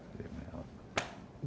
koalisi saya anggap disitu ya